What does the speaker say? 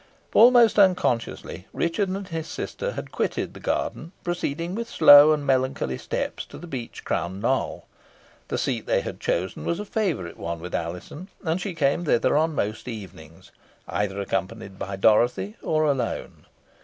Almost unconsciously, Richard and his sister had quitted the garden, proceeding with slow and melancholy steps to the beech crowned knoll. The seat they had chosen was a favourite one with Alizon, and she came thither on most evenings, either accompanied by Dorothy or alone.